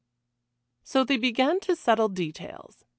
So they began to settle details.